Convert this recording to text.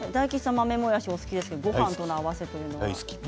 豆もやし大好きですけどごはんとの合わせが。